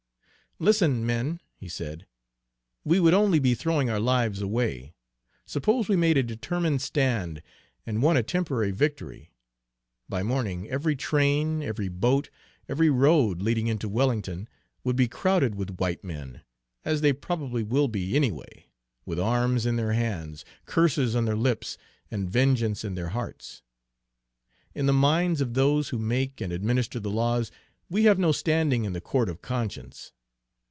"Listen, men," he said. "We would only be throwing our lives away. Suppose we made a determined stand and won a temporary victory. By morning every train, every boat, every road leading into Wellington, would be crowded with white men, as they probably will be any way, with arms in their hands, curses on their lips, and vengeance in their hearts. In the minds of those who make and administer the laws, we have no standing in the court of conscience.